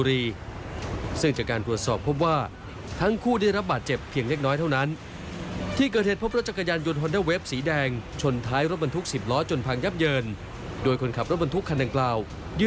รถสิ้นรอบหนักได้ด้วย